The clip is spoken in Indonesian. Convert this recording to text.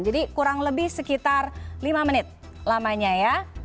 jadi kurang lebih sekitar lima menit lamanya ya